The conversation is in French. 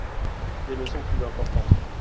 Des leçons plus importantes.